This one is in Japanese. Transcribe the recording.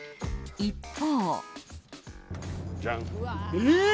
一方。